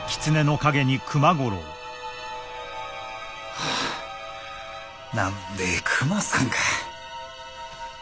はあ何でえ熊さんか。